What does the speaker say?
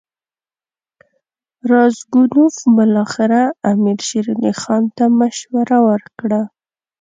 راسګونوف بالاخره امیر شېر علي خان ته مشوره ورکړه.